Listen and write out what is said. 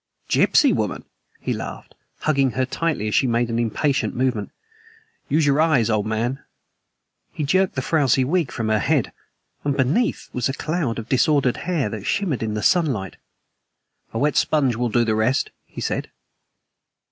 "Gypsy woman!" he laughed, hugging her tightly as she made an impatient movement. "Use your eyes, old man." He jerked the frowsy wig from her head, and beneath was a cloud of disordered hair that shimmered in the sunlight. "A wet sponge will do the rest," he said.